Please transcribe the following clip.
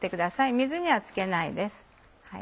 水にはつけないです。